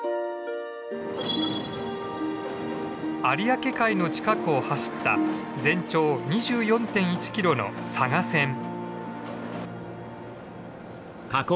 有明海の近くを走った全長２４．１キロの佐賀線。